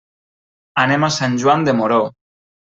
Anem a Sant Joan de Moró.